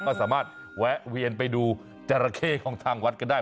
ก็สามารถแวะเวียนไปดูจราเข้ของทางวัดก็ได้